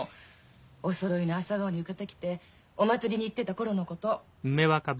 おそろいの朝顔の浴衣着てお祭りに行ってた頃のこと。